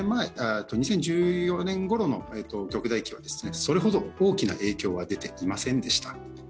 ２０１４年ごろの極大期はそれほど大きな影響は出ていませんでした。